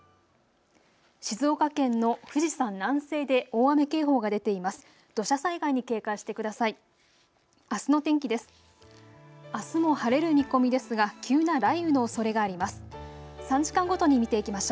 静岡県の富士山南西で大雨警報が出ています。